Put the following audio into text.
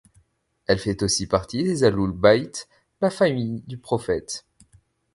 Elle fait aussi partie des ahlul bayt, la famille du Prophète.